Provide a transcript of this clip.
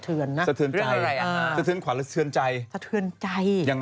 เรื่องอะไรล่ะสะเทือนขวาและสะเทือนใจยังไงครับสะเทือนใจ